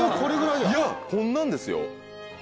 いやこんなんですよ。